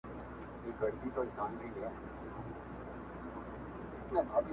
يارانو مخ ورځني پټ کړئ گناه کاره به سئ~